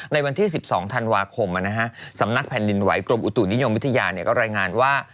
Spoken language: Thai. ในวันที่๑๒ธันวาคมสำนักแผ่นดินไหวกรมอุตุนิยมวิทยาก็รายงานว่า